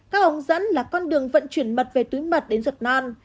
các ống dẫn là con đường vận chuyển mật về túi mật đến giật non